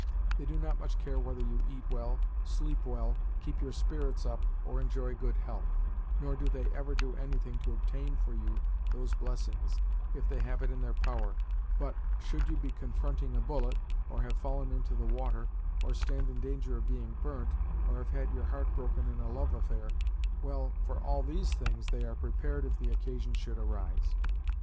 They do not much care whether you eat well, sleep well, keep your spirits up, or enjoy good health, nor do they ever do anything to obtain for you those blessings if they have it in their power; but, should you be confronting a bullet, or have fallen into the water, or stand in danger of being burnt, or have had your heart broken in a love affair well, for all these things they are prepared if the occasion should arise.